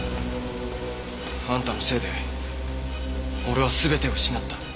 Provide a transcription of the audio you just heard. あんたのせいで俺は全てを失った。